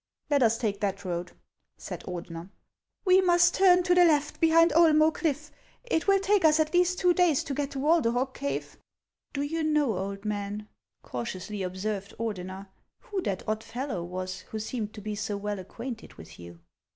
" Let us take that road," said Ordener. " We must turn to the left, behind Oelmoe cliff. It will take us at least two days to get to Walderhog cave." " Do you know, old man," cautiously observed Ordener, " who that odd fellow was, who seemed to be so well acquainted with you